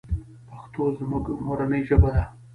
پښتو زمونږ مورنۍ ژبه ده.